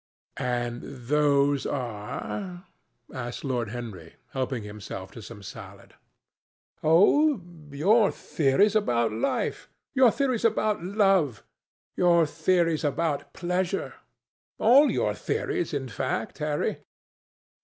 "And those are ...?" asked Lord Henry, helping himself to some salad. "Oh, your theories about life, your theories about love, your theories about pleasure. All your theories, in fact, Harry."